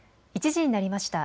１時になりました。